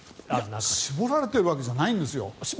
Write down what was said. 絞られているわけじゃないんですよ。